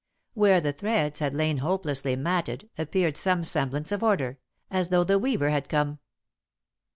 Where the threads had lain hopelessly matted, appeared some semblance of order, as though the Weaver had come.